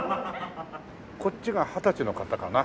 こっちが二十歳の方かな。